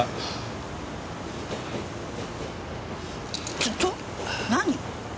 ちょっと何？